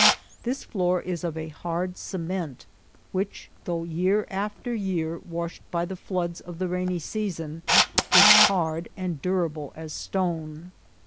This floor is of a hard ce ment, which, though year after year washed by the floods of the rainy season, is hard and durable as stone.